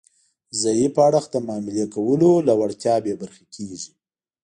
ضعیف اړخ د معاملې کولو له وړتیا بې برخې کیږي